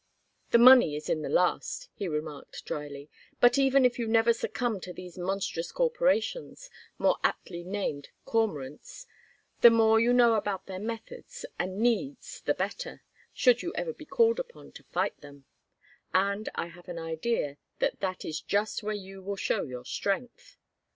"The money is in the last," he remarked, dryly, "but even if you never succumb to these monstrous corporations, more aptly named cormorants, the more you know about their methods and needs the better, should you ever be called upon to fight them; and I have an idea that that is just where you will show your strength.